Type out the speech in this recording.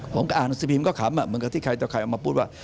ผมก็อ่านอันสิพีมก็ขำอะเหมือนกับที่ใครต่อใครออกมาพูดว่า